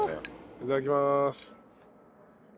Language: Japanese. いただきまーす。